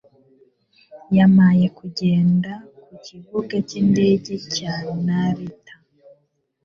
Yampaye kugenda ku kibuga cy'indege cya Narita.